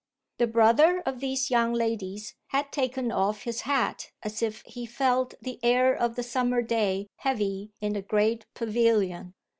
The brother of these young ladies had taken off his hat as if he felt the air of the summer day heavy in the great pavilion.